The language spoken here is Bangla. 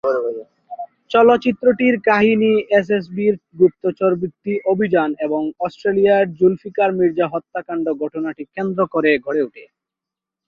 চলচ্চিত্রটির কাহিনি এসএসবি’র গুপ্তচরবৃত্তি অভিযান এবং অস্ট্রেলিয়ায় জুলফিকার মির্জা হত্যাকাণ্ড ঘটনাটি কেন্দ্র করে গড়ে উঠে।